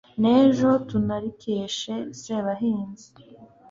nejo tunarikeshe Sebahinzi